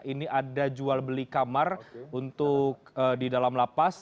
ini ada jual beli kamar untuk di dalam lapas